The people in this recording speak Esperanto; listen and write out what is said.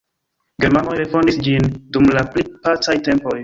Germanoj refondis ĝin dum la pli pacaj tempoj.